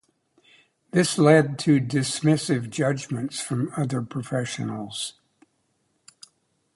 This led to dismissive judgements from other professionals.